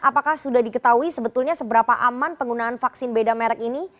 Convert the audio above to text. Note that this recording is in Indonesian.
apakah sudah diketahui sebetulnya seberapa aman penggunaan vaksin beda merek ini